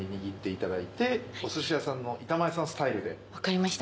分かりました。